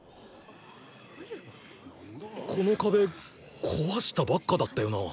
この壁壊したばっかだったよな？